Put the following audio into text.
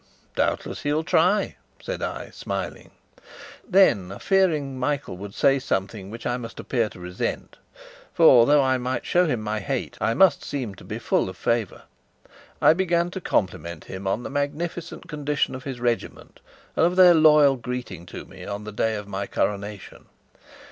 "Doubtless he'll try," said I, smiling. Then, fearing Michael would say something which I must appear to resent (for, though I might show him my hate, I must seem to be full of favour), I began to compliment him on the magnificent condition of his regiment, and of their loyal greeting to me on the day of my coronation.